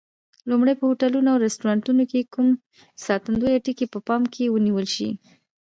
لومړی: په هوټلونو او رستورانتونو کې کوم ساتندویه ټکي په پام کې ونیول شي؟